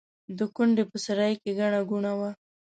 د کونډې په سرای کې ګڼه ګوڼه وه.